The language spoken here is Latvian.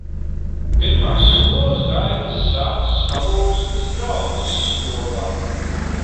Pirmās skolas gaitas sācis Alūksnes draudzes skolā.